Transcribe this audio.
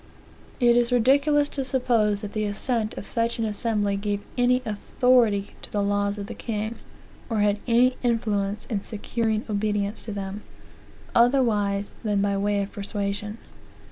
It is ridiculous to suppose that the assent of such an assembly gave any authority to the laws of the king, or had any influence in securing obedience to them, otherwise than by way of persuasion.